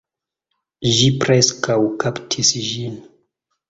Ĝi preskaŭ kaptis ĝin